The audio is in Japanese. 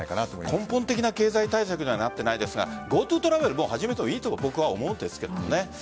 根本的な経済対策にはなってないですがＧｏＴｏトラベル始めていいと思うんですけどね。